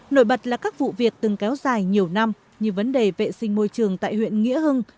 nổi bật là các vụ việc từng kéo dài nhiều năm như vấn đề vệ sinh môi trường tại huyện nghĩa hưng